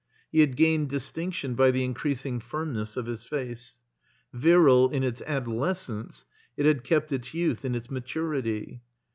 He had gained distinction by the increasing firmness of his face. Virile in its adolescence, it had kept its youth in its maturity.